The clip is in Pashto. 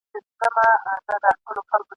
پر دوو پښو راته ولاړ یې سم سړی یې !.